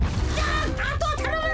あとはたのむ！